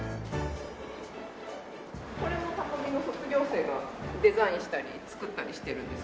これも多摩美の卒業生がデザインしたり作ったりしてるんです